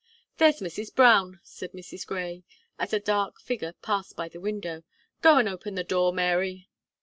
"There's Mrs. Brown," said Mrs. Gray, as a dark figure passed by the window. "Go, and open the door, Mary."